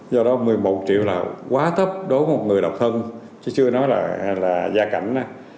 do đó một mươi một triệu là quá thấp đối với một người độc thân chứ chưa nói là gia cảnh